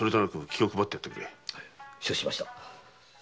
承知しました。